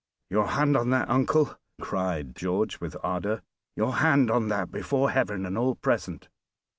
"Your hand on that, uncle," cried George, with ardor; "your hand on that before Heaven and all present."